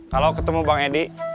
kalau ketemu bang edi